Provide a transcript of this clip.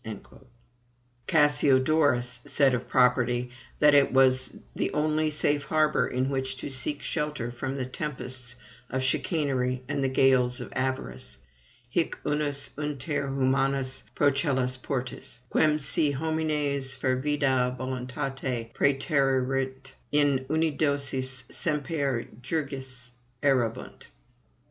Cassiodorus said of property, that it was the only safe harbor in which to seek shelter from the tempests of chicanery and the gales of avarice _Hic unus inter humanas pro cellas portus, quem si homines fervida voluntate praeterierint; in undosis semper jurgiis errabunt_.